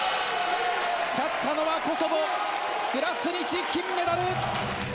勝ったのはコソボ、クラスニチ、金メダル。